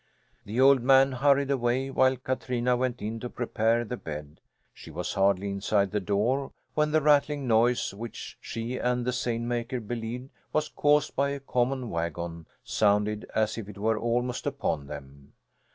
The old man hurried away while Katrina went in to prepare the bed; she was hardly inside the door when the rattling noise, which she and the seine maker believed was caused by a common wagon, sounded as if it were almost upon them.